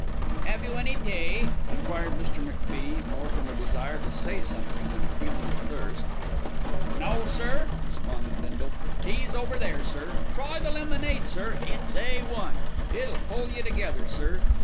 "Have you any tea?" enquired Mr. McFie, more from a desire to say something than a feeling of thirst. "No, sir," responded Bindle, "tea's over there, sir. Try the lemonade, sir; it's A 1. It'll pull yer together, sir.